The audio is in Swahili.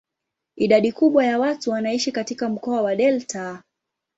Idadi kubwa ya watu wanaishi katika mkoa wa delta.